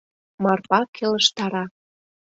— Марпа келыштара.